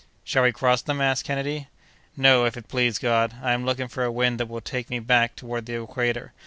"Shall we cross them?" asked Kennedy. "Not, if it please God. I am looking for a wind that will take me back toward the equator.